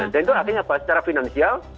dan itu akhirnya secara finansial